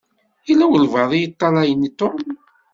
Yella walebɛaḍ i yeṭṭalayen Tom.